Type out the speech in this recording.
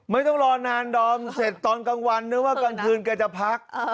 ไม่ต้องรอนานดอมเสร็จตอนกลางวันนึกว่ากลางคืนแกจะพัก